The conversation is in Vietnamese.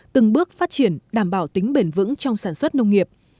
từng bước phát triển đảm bảo tính bền vững trong sản xuất nông nghiệp